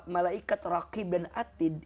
malaikat raqib dan atid